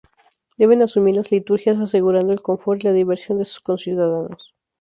Deben asumir las liturgias asegurando el confort y la diversión de sus conciudadanos.